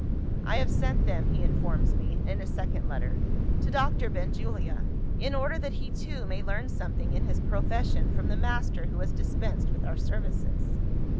'I have sent them, (he informs me, in a second letter) to Doctor Benjulia; in order that he too may learn something in his profession from the master who has dispensed with our services.